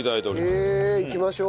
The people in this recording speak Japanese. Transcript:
へえいきましょう。